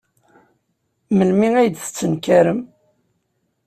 Melmi ay d-tettenkarem?